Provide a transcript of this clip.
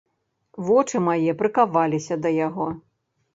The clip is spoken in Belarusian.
Вочы мае прыкаваліся да яго.